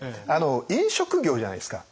飲食業じゃないですか。